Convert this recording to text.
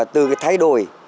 từ thay đổi